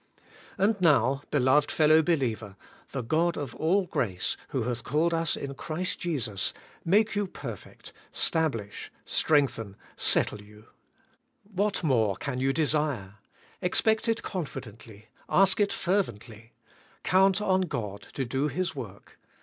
And now, beloved fellow believer, *the God of all grace, who hath called us io Christ Jesus, make you perfect^ stablish, strengthen, settle yoit,'^ What more can you desire? Expect it confidently, ask it fer vently. Count on God to do His work.